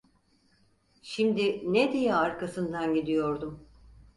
Şimdi ne diye arkasından gidiyordum?